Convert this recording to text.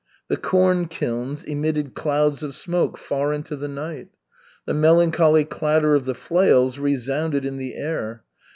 The corn kilns emitted clouds of smoke far into the night. The melancholy clatter of the flails resounded in the air.